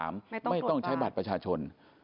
ไม่ต้องใช้บัตรประชาชน